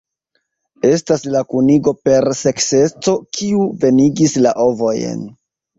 Estas la kunigo per sekseco kiu venigis la ovojn.